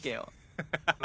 ハハハハ！